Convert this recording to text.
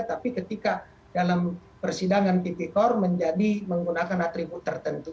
tapi ketika dalam persidangan tipikor menjadi menggunakan atribut tertentu